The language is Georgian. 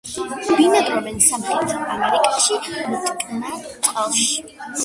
ბინადრობენ სამხრეთ ამერიკის მტკნარ წყალში.